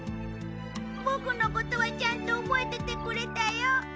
ボクのことはちゃんと覚えててくれたよ。